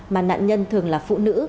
mà nạn nhân thường là phụ nữ